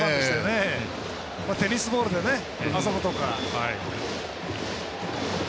テニスボールで遊ぶとか。